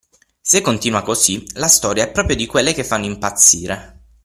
Se continua così, la storia è proprio di quelle che fanno impazzire!